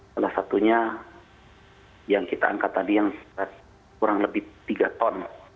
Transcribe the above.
salah satunya yang kita angkat tadi yang kurang lebih tiga ton